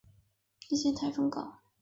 临近台中港。